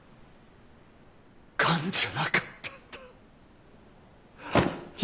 癌じゃなかったんだ。